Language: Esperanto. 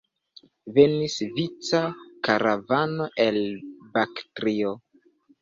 Venis vica karavano el Baktrio.